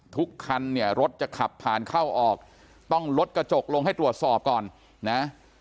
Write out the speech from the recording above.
ทุกคันเนี่ยรถจะขับผ่านเข้าออกต้องลดกระจกลงให้ตรวจสอบก่อนนะ